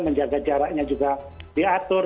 menjaga jaraknya juga diatur